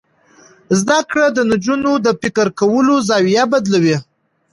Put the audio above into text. زده کړه د نجونو د فکر کولو زاویه بدلوي.